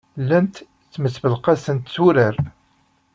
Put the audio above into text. Llant ttmesbelqasent s wurar.